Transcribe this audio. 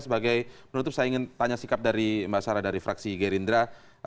sebagai penutup saya ingin tanya sikap dari mbak sarah dari fraksi gerindra